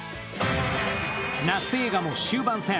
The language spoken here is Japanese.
夏映画も終盤戦。